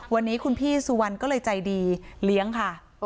วันนี้คุณพี่สุวรรณก็เลยใจดีเลี้ยงค่ะ